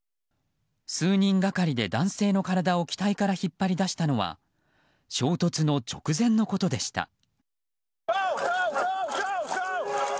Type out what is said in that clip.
数人がかりで男性の体を機体から引っ張り出したのは衝突の直前のことでした。